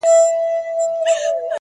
هدف واضح وي نو ګامونه ثابت وي.!